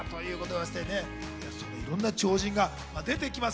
いろんな超人が出てきます。